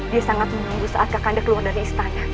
dia sangat menunggu saat kakanda keluar dari istana